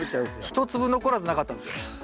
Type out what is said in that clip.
一粒残らずなかったんですよ。